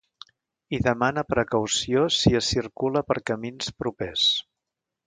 I demana precaució si es circula per camins propers.